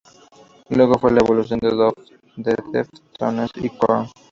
Luego fue la evolución de Deftones y Korn.